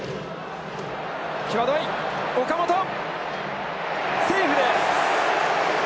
岡本、セーフです。